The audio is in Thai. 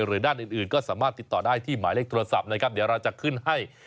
ด้านอื่นก็สามารถติดต่อได้ที่หมายเลขโทรศัพท์นะครับเดี๋ยวเราจะขึ้นให้